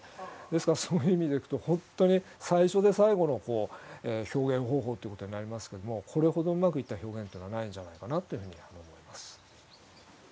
ですからそういう意味でいくと本当に最初で最後の表現方法っていうことになりますけどもこれほどうまくいった表現っていうのはないんじゃないかなっていうふうには思います。